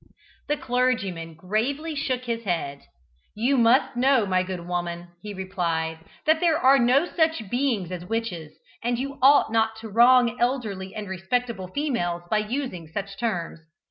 The clergyman gravely shook his head. "You must know, my good woman," he replied, "that there are no such beings as witches, and you ought not to wrong elderly and respectable females by using such terms.